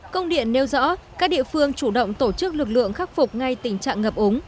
công điện nêu rõ các địa phương chủ động tổ chức lực lượng khắc phục ngay tình trạng ngập ống